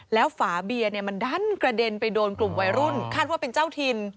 แล้วฝาเบียร์มันดันกระเด็นไปโดนกลุ่มวัยรุ่นคาดว่าเป็นเจ้าถิ่น